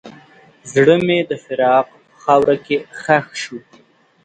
زړه مې د فراق په خاوره کې ښخ شو.